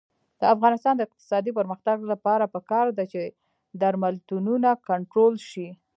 د افغانستان د اقتصادي پرمختګ لپاره پکار ده چې درملتونونه کنټرول شي.